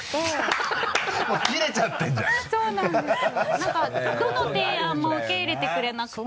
何かどの提案も受け入れてくれなくて。